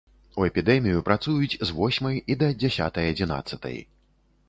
У эпідэмію працуюць з восьмай і да дзясятай-адзінаццатай.